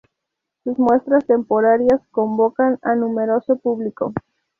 Sus muestras temporarias convocan a numeroso público.